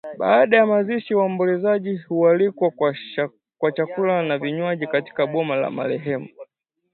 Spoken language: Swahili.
Baada ya mazishi waombolezaji hualikwa kwa chakula na vinywaji katika boma la marehemu